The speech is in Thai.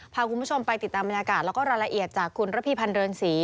พาคุณผู้ชมไปติดตามบรรยากาศแล้วก็รายละเอียดจากคุณระพีพันธ์เรือนศรี